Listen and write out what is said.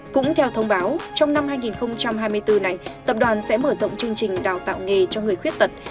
cũng theo thông báo trong năm hai nghìn hai mươi bốn này tập đoàn sẽ mở rộng chương trình đào tạo nghề cho người khuyết tật